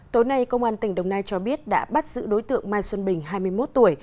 tối nay công an tỉnh đồng nai cho biết đã bắt giữ đối tượng mai xuân bình hai mươi một tuổi